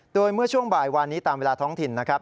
โดยเมื่อช่วงบ่ายวานนี้ตามเวลาท้องถิ่นนะครับ